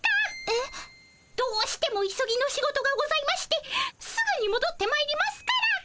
えっ？どうしても急ぎの仕事がございましてすぐにもどってまいりますから。